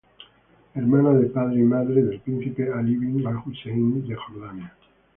Hermana de padre y madre del príncipe Ali bin al Hussein de Jordania.